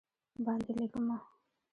باندې لېکمه